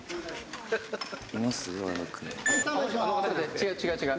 ・違う違う違う。